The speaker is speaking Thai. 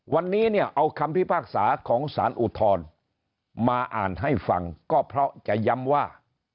วันนี้เนี่ยเอาคำพิพากษาของสารอุทธรณ์มาอ่านให้ฟังก็เพราะจะย้ำว่า